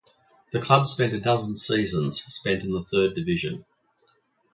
The club spent a dozen seasons spent in the third division.